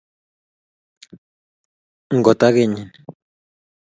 ngotakenyi